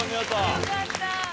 よかった。